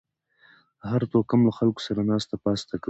د هر توکم له خلکو سره ناسته پاسته کوئ